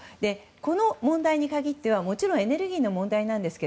この問題に限ってはもちろんエネルギーの問題ですが